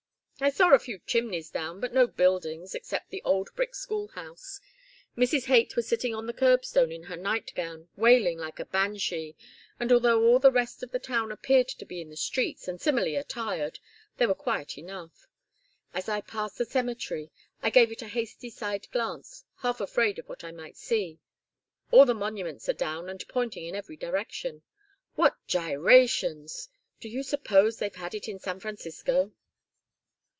"I saw a few chimneys down, but no buildings except the old brick school house. Mrs. Haight was sitting on the curb stone in her night gown, wailing like a banshee, but although all the rest of the town appeared to be in the streets, and similarly attired, they were quiet enough. As I passed the cemetery I gave it a hasty side glance, half afraid of what I might see. All the monuments are down and pointing in every direction. What gyrations! Do you suppose they've had it in San Francisco?"